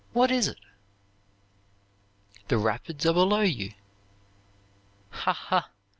'What is it?' "'The rapids are below you.' 'Ha! ha!